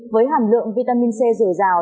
với hàm lượng vitamin c dừa dào